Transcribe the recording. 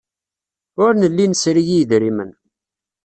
Ur nelli nesri i yedrimen.